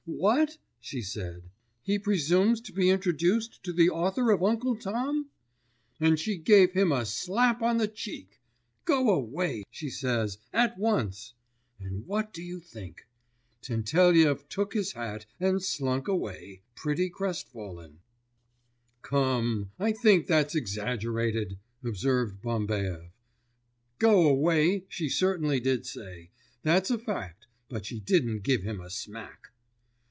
"What?" she said, "he presumes to be introduced to the author of Uncle Tom?" And she gave him a slap on the cheek! "Go away!" she says, "at once!" And what do you think? Tentelyev took his hat and slunk away, pretty crestfallen.' [Illustration: Mrs. Beecher Stowe.] 'Come, I think that's exaggerated,' observed Bambaev. '"Go away" she certainly did say, that's a fact, but she didn't give him a smack!